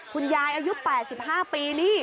คุณยายอายุ๘๕ปีนี่